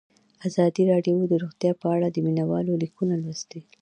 ازادي راډیو د روغتیا په اړه د مینه والو لیکونه لوستي.